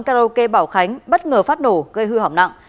công an huyện vĩnh bảo khánh bất ngờ phát nổ gây hư hỏng nặng